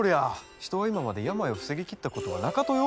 人は今まで病を防ぎきったことはなかとよ！